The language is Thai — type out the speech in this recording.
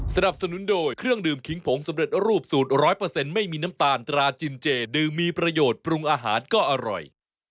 สนับสนุนโดยเครื่องดื่มขิงผงสำเร็จรูปสูตร๑๐๐ไม่มีน้ำตาลตราจินเจดื่มมีประโยชน์ปรุงอาหารก็อร่อย